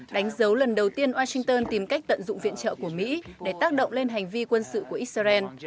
đánh dấu lần đầu tiên washington tìm cách tận dụng viện trợ của mỹ để tác động lên hành vi quân sự của israel